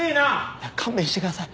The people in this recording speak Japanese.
いや勘弁してください